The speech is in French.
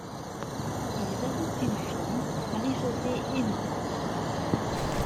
Ils adoptent une fille, Marie-José Eymin.